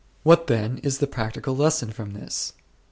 What then is the practical lesson from this?